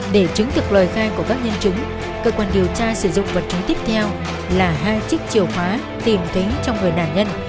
để chứng thực lời khai của các nhân chứng cơ quan điều tra sử dụng vật chứng tiếp theo là hai chiếc chìa khóa tìm kiếm trong người nạn nhân